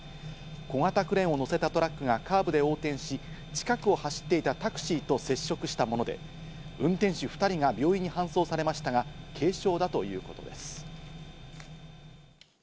小型クレーンを載せたトラックがカーブで横転し、近くを走っていたタクシーと接触したもので、運転手２人が病院へ搬送されましたが、軽傷だということです。